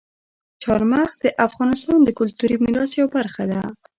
چار مغز د افغانستان د کلتوري میراث یوه برخه ده.